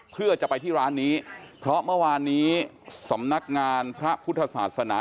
เพื่อจะไปที่ร้านนี้เพราะเมื่อวานนี้สำนักงานพระพุทธศาสนา